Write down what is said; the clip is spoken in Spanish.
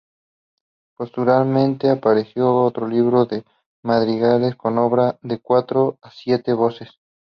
Póstumamente, apareció otro libro de madrigales con obras de cuatro a siete voces.